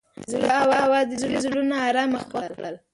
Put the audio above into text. د زړه اواز د دوی زړونه ارامه او خوښ کړل.